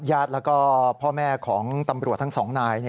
ญาติแล้วก็พ่อแม่ของตำรวจทั้งสองนาย